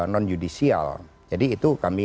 non judicial jadi itu kami